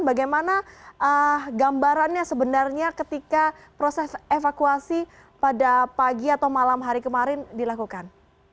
bagaimana gambarannya sebenarnya ketika proses evakuasi pada pagi atau malam hari kemarin dilakukan